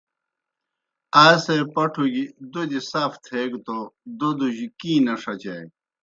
آئے سے پٹھوْگیْ دوْدیْ صاف تتھیگہ توْ دوْدوجیْ کِیں گہ نہ ݜَچانیْ۔